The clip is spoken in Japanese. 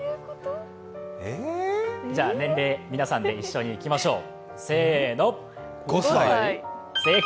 じゃあ皆さんで一緒にいきましょう。